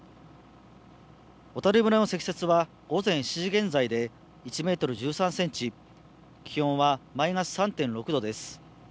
小谷村の積雪は午前７時現在で１メートル１３センチ、気温はマイナス３．６度です。